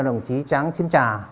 đồng chí trắng xin trả